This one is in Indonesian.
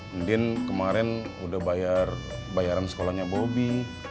be din kemarin udah bayar bayaran sekolahnya bobby